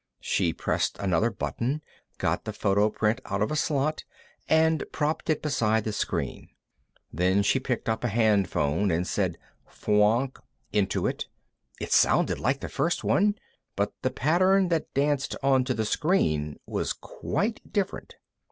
She pressed another button, got the photoprint out of a slot, and propped it beside the screen. Then she picked up a hand phone and said, "Fwoonk," into it. It sounded like the first one, but the pattern that danced onto the screen was quite different.